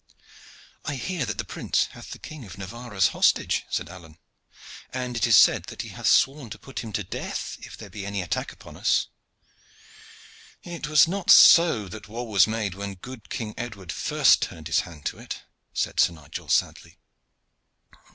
"I hear that the prince hath the King of Navarre as hostage," said Alleyne, "and it is said that he hath sworn to put him to death if there be any attack upon us." "It was not so that war was made when good King Edward first turned his hand to it," said Sir Nigel sadly.